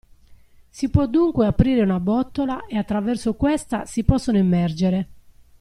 Si può dunque aprire una botola e attraverso questa si possono immergere.